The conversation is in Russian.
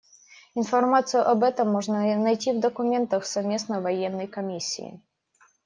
Информацию об этом можно найти в документах Совместной военной комиссии.